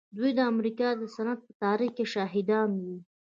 دوی د امريکا د صنعت په تاريخ کې شاهدان وو.